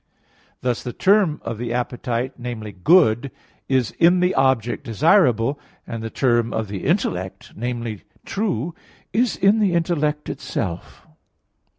Thus the term of the appetite, namely good, is in the object desirable, and the term of the intellect, namely true, is in the intellect itself.